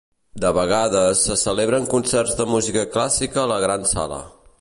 De vegades, se celebren concerts de música clàssica a la Gran Sala.